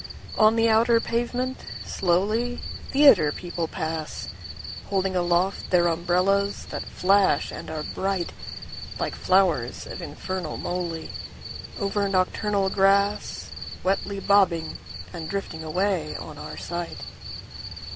On the outer pavement, slowly, Theatre people pass, Holding aloft their umbrellas that flash and are brightLike flowers of infernal molyOver nocturnal grassWetly bobbing and drifting away on our sight.